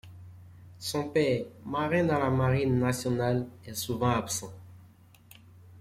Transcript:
Son père, marin dans la Marine nationale, est souvent absent.